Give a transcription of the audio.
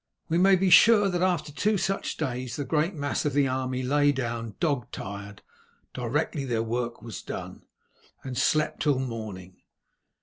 We may be sure that after two such days the great mass of the army lay down dog tired directly their work was done, and slept till morning.